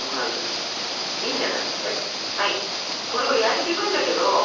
これを焼いていくんだけど。